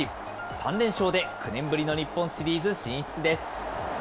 ３連勝で９年ぶりの日本シリーズ進出です。